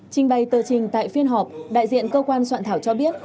trình bày tờ trình tại phiên họp đại diện cơ quan soạn thảo cho biết